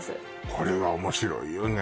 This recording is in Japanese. これは面白いよね